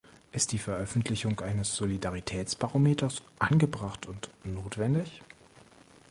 Ist die Veröffentlichung eines Solidaritätsbarometers angebracht und notwendig?